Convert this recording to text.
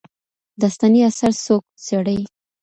داستاني اثر څوک څېړي؟